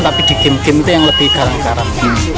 tapi di game game itu yang lebih karang karang